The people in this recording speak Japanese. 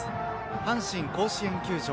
阪神甲子園球場。